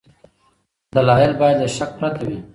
دلایل باید له شک پرته وي.